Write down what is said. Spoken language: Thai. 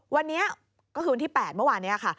วันนี้ก็คือวันที่๘เมื่อวานนี้ค่ะ